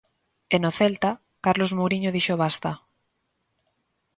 E no Celta, Carlos Mouriño dixo basta.